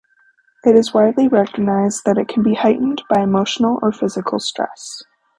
It is widely recognized that it can be heightened by emotional or physical stress.